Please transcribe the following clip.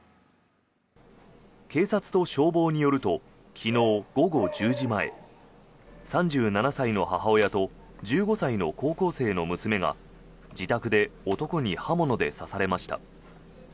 警察と消防によると昨日午後１０時前３７歳の母親と１５歳の高校生の娘が自宅で男に刃物で刺されました。